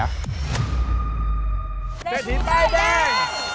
เศรษฐีป้ายแดง